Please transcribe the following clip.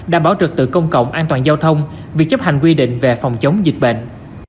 đảm bảo trực tự công cộng an toàn giao thông việc chấp hành quy định về phòng chống dịch bệnh